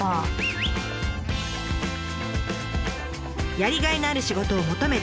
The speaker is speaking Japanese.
やりがいのある仕事を求めて